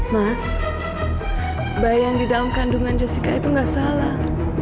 mas bayi yang di dalam kandungan jessica itu gak salah